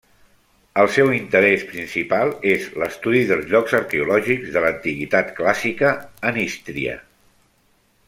El seu interès principal és l'estudi dels llocs arqueològics de l'antiguitat clàssica en Ístria.